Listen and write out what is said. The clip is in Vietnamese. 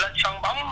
lên sân bóng